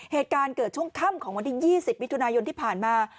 เหตุการณ์เกิดช่วงค่ำของวันที่๒๐มิถุนายนที่ผ่านมา